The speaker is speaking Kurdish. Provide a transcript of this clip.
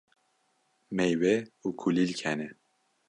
meywe û kulîlk hene.